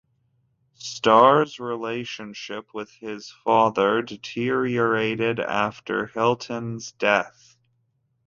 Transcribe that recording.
Starr's relationship with his father deteriorated after Hilton's death.